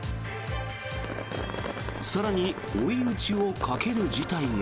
更に、追い打ちをかける事態が。